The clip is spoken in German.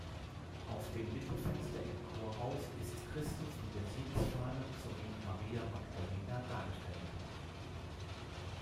Auf dem Mittelfenster im Chorhaus ist Christus mit der Siegesfahne sowie Maria Magdalena dargestellt.